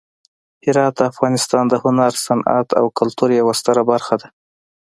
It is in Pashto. هرات د افغانستان د هنر، صنعت او کلتور یوه ستره برخه ده.